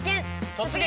「突撃！